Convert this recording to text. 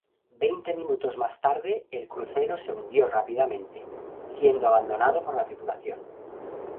Veinte minutos más tarde, el crucero se hundió rápidamente, siendo abandonado por la tripulación.